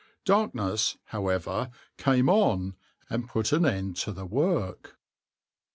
Darkness, however, came on and put an end to the work.